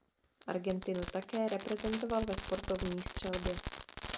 Argentinu také reprezentoval ve sportovní střelbě.